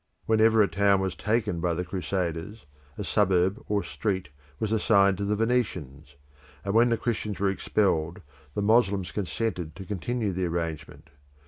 Whenever a town was taken by the Crusaders, a suburb or street was assigned to the Venetians; and when the Christians were expelled, the Moslems consented to continue the arrangement.